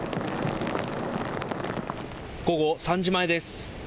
午後３時前です。